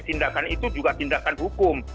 tindakan itu juga tindakan hukum